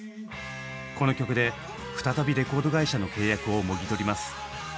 この曲で再びレコード会社の契約をもぎ取ります。